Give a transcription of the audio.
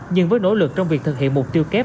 nhưng với nỗ lực trong việc thực hiện mục tiêu kép